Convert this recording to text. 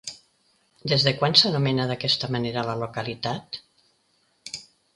Des de quan s'anomena d'aquesta manera la localitat?